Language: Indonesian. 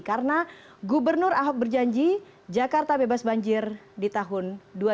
karena gubernur ahok berjanji jakarta bebas banjir di tahun dua ribu dua puluh dua